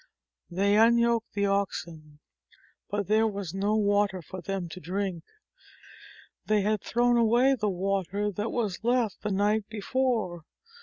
They unyoked the oxen, but there was no water for them to drink. They had thrown away the water that was left the night before.